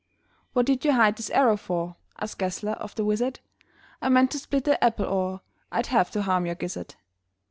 "What did you hide this arrow for?" Asked Gessler of the wizard. "I meant to split that apple, or I'd have to harm your gizzard!"